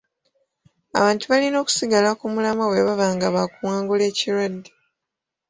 Abantu balina okusigala ku mulamwa bwe baba nga bakuwangula ekirwadde.